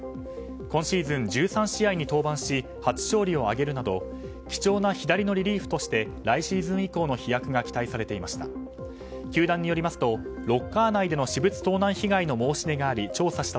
今シーズン、１３試合に登板し初勝利を挙げるなど貴重な左のリリーフとして来シーズン以降の飛躍が期待されていました。